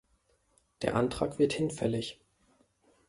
Der Antrag wird hinfällig.